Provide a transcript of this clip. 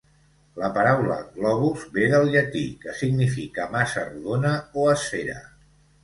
La paraula "globus" ve del llatí, que significa massa rodona o esfera.